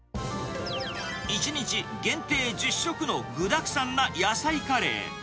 １日限定１０食の具だくさんな野菜カレー。